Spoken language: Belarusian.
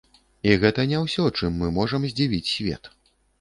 І гэта не ўсё, чым мы можам здзівіць свет.